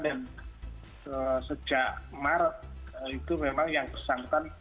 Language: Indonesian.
dan sejak kemar itu memang yang bersangkutan